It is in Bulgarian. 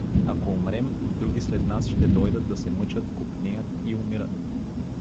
Ако умрем, други след нас ще дойдат да се мъчат, копнеят и умират.